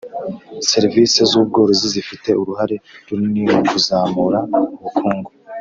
serivisi z ubworozi zifite uruhare runini mu kuzamura ubukungu